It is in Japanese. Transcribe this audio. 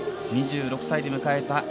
２６歳で迎えた